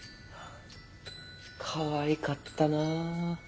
かわいかったなぁ。